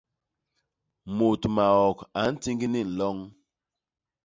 Mut maok a ntiñg ni nloñ.